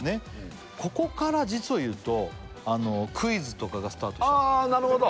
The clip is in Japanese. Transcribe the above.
ここから実を言うとクイズとかがスタートしたああなるほど！